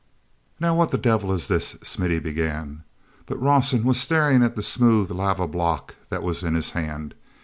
"Now what the devil is this?" Smithy began. But Rawson was staring at the smooth lava block that was in his hand.